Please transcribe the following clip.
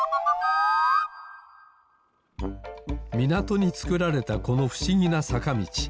みなとにつくられたこのふしぎなさかみち。